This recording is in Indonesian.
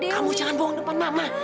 kamu jangan bohong depan mama